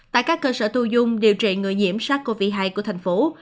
tại các cơ sở thu dung điều trị người nhiễm sát covid một mươi chín của thành phố